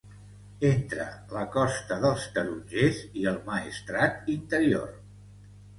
Entre la Costa dels Tarongers i el Maestrat interior.